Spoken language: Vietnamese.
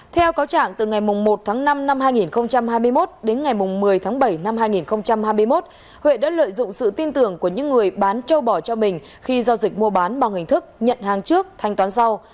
theo cáo trạng từ ngày một tháng năm năm hai nghìn hai mươi một đến ngày một mươi tháng bảy năm hai nghìn hai mươi một huệ đã lợi dụng sự tin tưởng của những người bán châu bò cho mình khi giao dịch mua bán bằng hình thức nhận hàng trước thanh toán rau